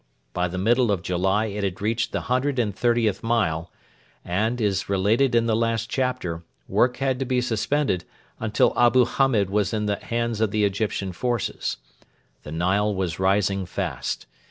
By the middle of July it had reached the 130th mile, and, as is related in the last chapter, work had to be suspended until Abu Hamed was in the hands of the Egyptian forces. The Nile was rising fast.